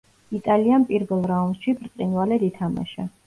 იტალიამ პირველ რაუნდში ბრწყინვალედ ითამაშა.